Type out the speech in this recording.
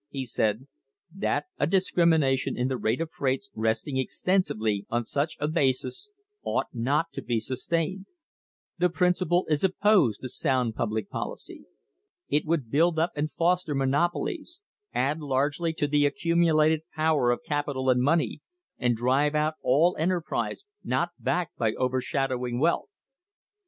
he said, "that a discrimination in the rate of freights resting extensively on such a basis ought not to be sustained. The principle is opposed to sound public policy. It would build up and foster monopolies, add largely to the accumulated power of capital and money, and drive out all enterprise not backed by overshadowing wealth.